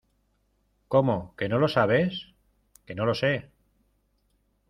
¿ Cómo, que no lo sabes? Que no lo sé.